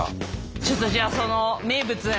ちょっとじゃあその名物。